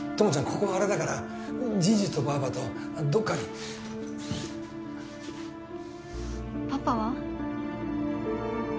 ここはあれだからじいじとばあばとどっかにパパは？